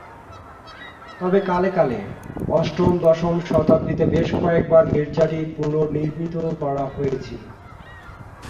তবে কালে কালে, অষ্টম-দশম শতাব্দীতে বেশ কয়েকবার গির্জাটি পুনর্নির্মিত করা হয়েছিল।